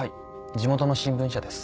地元の新聞社です。